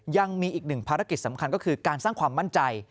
ยังมีอีกหนึ่งภารกิจสำคัญก็คือการสร้างความมั่นใจ